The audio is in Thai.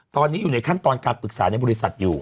ตอนนี้อยู่ในขั้นตอนการปรึกษาในบริษัทอยู่